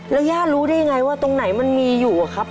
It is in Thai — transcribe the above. แล้วย่ารู้ได้ยังไงว่าตรงไหนมันมีอยู่อะครับ